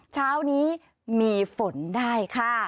เช้านี้มีฝนได้ค่ะ